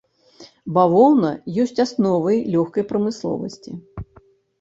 Бавоўна ёсць асновай лёгкай прамысловасці.